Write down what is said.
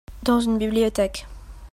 Dans une bibliothèque.